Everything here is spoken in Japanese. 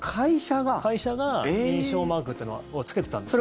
会社が認証マークっていうのをつけてたんですね。